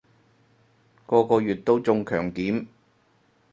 個個月都中強檢